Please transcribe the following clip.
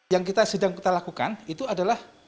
yang kita sedang kita lakukan itu adalah